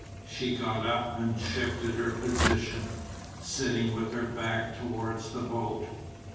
She got up and shifted her position, sitting with her back towards the boat.